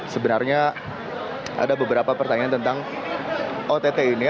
sebenarnya ada beberapa pertanyaan tentang ott ini